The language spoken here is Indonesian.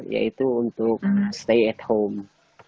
yaitu untuk stay at home